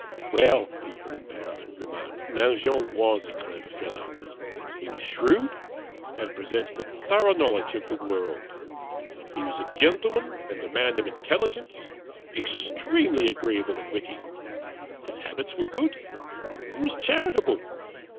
"Well," people in Paris would remark, "Mangin was a clever fellow. He was shrewd, and possessed a thorough knowledge of the world. He was a gentleman and a man of intelligence, extremely agreeable and witty. His habits were good; he was charitable.